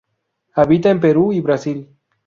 Habita en Perú y Brasil.